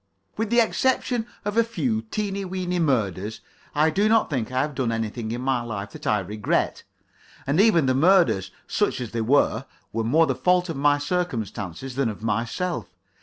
With the exception of a few teeny weeny murders, I do not think I have done anything in my life that I regret. And even the murders such as they were were more the fault of my circumstances than of myself.